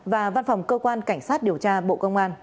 và văn phòng cơ quan cảnh sát điều tra bộ công an